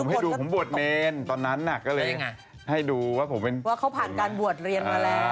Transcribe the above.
ผมให้ดูผมบวชเนรตอนนั้นน่ะก็เลยให้ดูว่าผมเป็นว่าเขาผ่านการบวชเรียนมาแล้ว